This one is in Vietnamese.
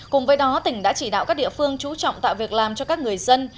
cùng với đó tỉnh đã chỉ đạo các địa phương chú trọng tạo việc làm cho các người dân